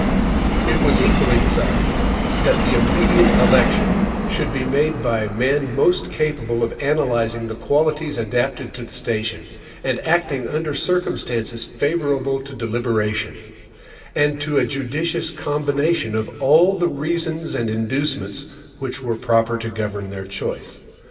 It was equally desirable, that the immediate election should be made by men most capable of analyzing the qualities adapted to the station, and acting under circumstances favorable to deliberation, and to a judicious combination of all the reasons and inducements which were proper to govern their choice.